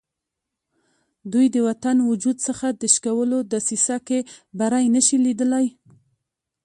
دوی د وطن د وجود څخه د شکولو دسیسه کې بری نه شي لیدلای.